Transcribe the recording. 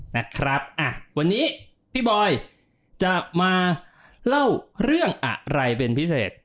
นะครับอ่ะวันนี้พี่บอยจะมาเล่าเรื่องอะไรเป็นพิเศษ